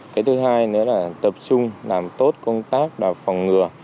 cái thứ hai nữa là tập trung làm tốt công tác phòng ngừa